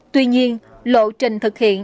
tuy nhiên lộ trình thực hiện